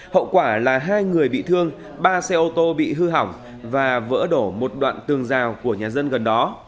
hậu quả là hai người bị thương ba xe ô tô bị hư hỏng và vỡ đổ một đoạn tường rào của nhà dân gần đó